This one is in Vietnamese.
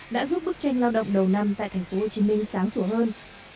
đã giúp bức tranh lao động đầu năm tại thành phố hồ chí minh sáng sủa hơn